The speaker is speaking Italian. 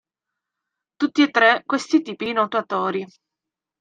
Tutti e tre questi tipi di nuotatori.